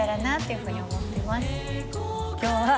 今日は。